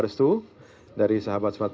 selamat berjuang untuk sahabat sahabat